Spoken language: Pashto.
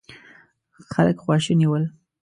خلک خواشيني ول.